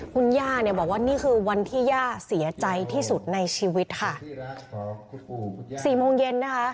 คุณย่าเนี่ยบอกว่านี่คือวันที่ย่าเสียใจที่สุดในชีวิตค่ะสี่โมงเย็นนะคะ